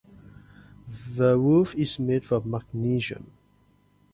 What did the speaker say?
The roof is made from magnesium.